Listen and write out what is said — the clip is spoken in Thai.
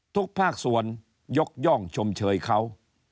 ภาคส่วนยกย่องชมเชยเขา